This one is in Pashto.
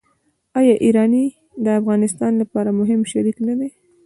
آیا ایران د افغانستان لپاره مهم شریک نه دی؟